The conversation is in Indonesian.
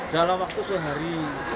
dalam waktu sehari